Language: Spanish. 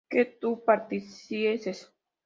¿que tú partieses?